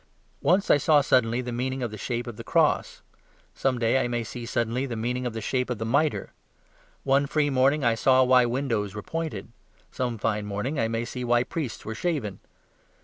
Once I saw suddenly the meaning of the shape of the cross; some day I may see suddenly the meaning of the shape of the mitre. One fine morning I saw why windows were pointed; some fine morning I may see why priests were shaven.